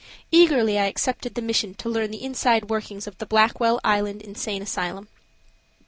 Eagerly I accepted the mission to learn the inside workings of the Blackwell Island Insane Asylum.